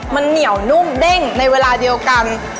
มันเหนียวนุ่มเด้งในเวลาเดียวกัน